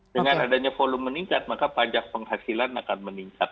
dengan adanya volume meningkat maka pajak penghasilan akan meningkat